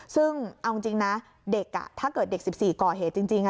ซึ่งเอาจริงนะเด็กถ้าเกิดเด็ก๑๔ก่อเหตุจริง